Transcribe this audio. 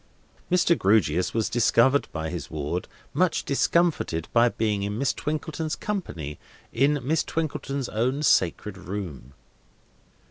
Mr. Grewgious was discovered by his ward, much discomfited by being in Miss Twinkleton's company in Miss Twinkleton's own sacred room.